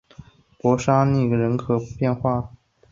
博沙斯泰人口变化图示